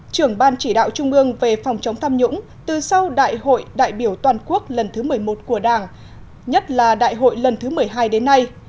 trưởng ban chỉ đạo trung ương về phòng chống tham nhũng từ sau đại hội đại biểu toàn quốc lần thứ một mươi một của đảng nhất là đại hội lần thứ một mươi hai đến nay